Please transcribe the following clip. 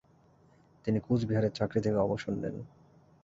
তিনি কুচবিহারের চাকরি থেকে অবসর নেন।